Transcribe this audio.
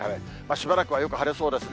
しばらくはよく晴れそうですね。